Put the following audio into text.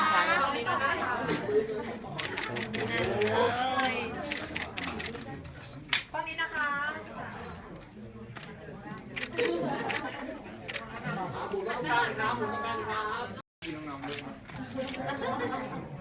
ขอสายตาซ้ายสุดด้วยครับ